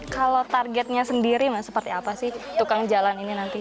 kalau targetnya sendiri seperti apa sih tukang jalan ini nanti